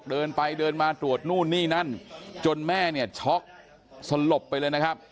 เดินไปเดินมาตรวจนู่นนี่นั่นจนแม่เนี่ยช็อกสลบไปเลยนะครับ